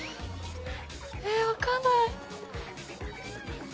えーっわかんない。